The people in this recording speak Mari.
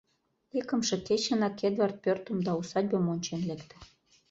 Икымше кечынак Эдвард пӧртым да усадьбым ончен лекте.